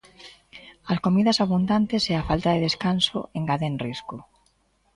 As comidas abundantes e a falta de descanso engaden risco.